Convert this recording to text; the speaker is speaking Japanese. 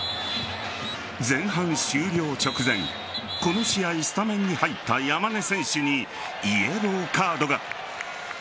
前半終了直前この試合スタメンに入った山根選手にイエローカードが。